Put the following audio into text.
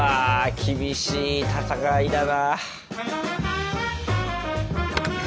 厳しい戦いだな。